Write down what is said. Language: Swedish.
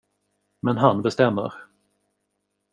Men han bestämmer.